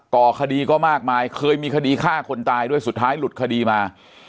ก่อคดีก็มากมายเคยมีคดีฆ่าคนตายด้วยสุดท้ายหลุดคดีมา